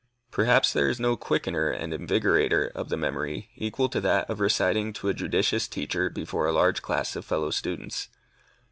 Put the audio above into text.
Perhaps there is no quickener and invigorator of the memory equal to that of reciting to a judicious teacher before a large class of fellow students.